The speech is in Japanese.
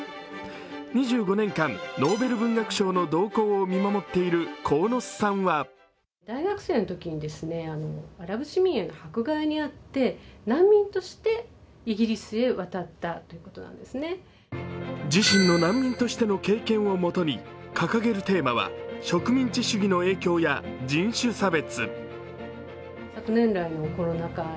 ２５年間ノーベル文学賞の動向を見守っている鴻巣さんは自身の難民としての経験をもとに、掲げるテーマは植民地主義の影響や人種差別。